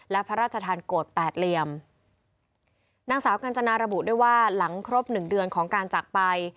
และพระราชทานโกรธแปดเหลี่ยมนางสาวกัญจนาระบุด้วยว่าหลังครบหนึ่งเดือนของการจากไป